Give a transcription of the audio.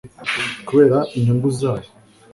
kubera inyungu zabo